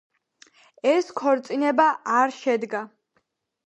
ეს ქორწინება არ შედგა.